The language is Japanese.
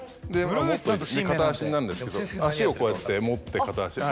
持って片足になるんですけど足をこうやって持って片足。